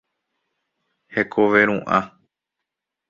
Hekove ru'ã.